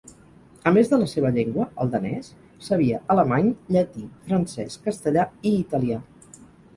A més de la seva llengua, el danès, sabia alemany, llatí, francès, castellà i italià.